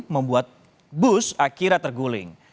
membuat bus akhirnya terguling